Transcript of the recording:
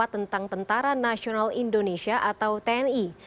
tentang tentara nasional indonesia atau tni